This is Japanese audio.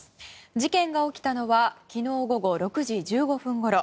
事件が起きたのは昨日午後６時１５分ごろ。